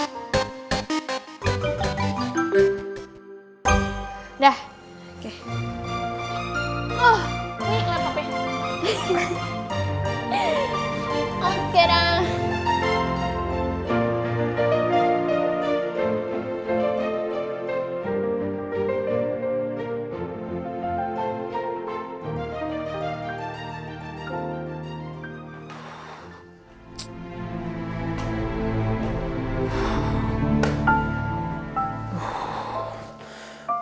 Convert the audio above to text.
dia udah berl mic sama gue lalu